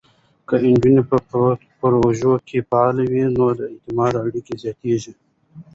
که نجونې په پروژو کې فعاله وي، نو د اعتماد اړیکې زیاتېږي.